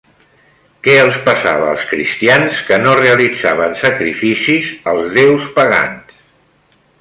Què els passava als cristians que no realitzaven sacrificis als déus pagans?